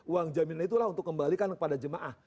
uang jaminan itulah untuk kembalikan kepada jemaah